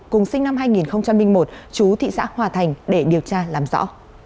cùng sinh năm hai nghìn một chú thị xã hòa thành để điều tra làm rõ